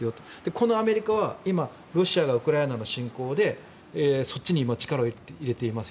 このアメリカは今ロシアがウクライナの侵攻でそっちに力を入れています。